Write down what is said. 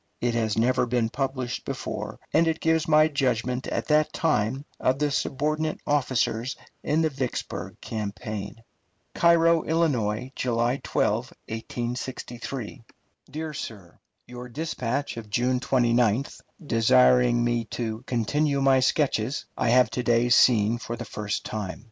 It has never been published before, and it gives my judgment at that time of the subordinate officers in the Vicksburg campaign: CAIRO, ILL., July 12, 1863. DEAR SIR: Your dispatch of June 29th, desiring me to "continue my sketches," I have to day seen for the first time.